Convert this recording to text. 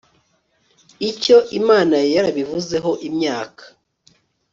icyo imana yari yarabivuzeho imyaka